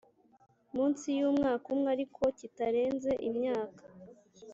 Munsi y umwaka umwe ariko kitarenze imyaka